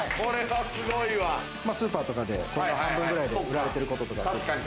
スーパーとかでこれの半分くらいで売られてることとか。